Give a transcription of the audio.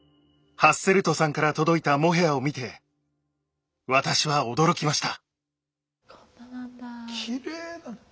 ハッセルトさんから届いたモヘアを見て私は驚きました。